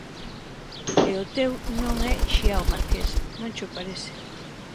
E o teu non é Xiao Marques, non cho parece.